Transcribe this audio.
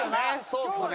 そうですね。